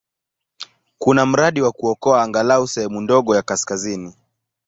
Kuna mradi wa kuokoa angalau sehemu ndogo ya kaskazini.